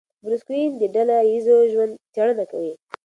بروس کوئن د ډله ایز ژوند څېړنه کوي.